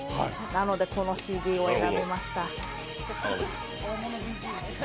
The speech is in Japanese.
なのでこのＣＤを選びました。